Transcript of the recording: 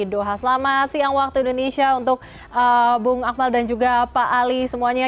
doha selamat siang waktu indonesia untuk bung akmal dan juga pak ali semuanya